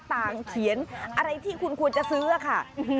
เขียนอะไรที่คุณควรจะซื้อค่ะ